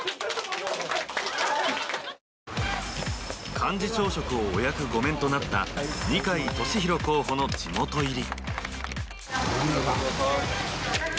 幹事長職をお役御免となった二階俊博候補の地元入り。